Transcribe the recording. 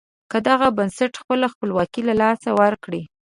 که دغه بنسټ خپله خپلواکي له لاسه ورکړي.